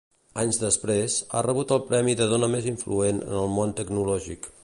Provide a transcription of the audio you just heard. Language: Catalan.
Anys després, ha rebut el premi de dona més influent en el món tecnològic.